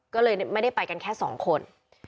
ก็เลยไม่ได้ไปกันแค่สองคน